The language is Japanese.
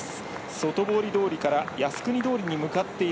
外堀通りから靖国通りに向かっていく